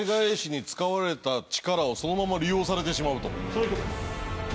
そういうことです。